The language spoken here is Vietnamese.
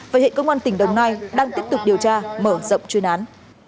và hệ công an tỉnh đồng nai đang tiếp tục điều tra mở rộng chuyên án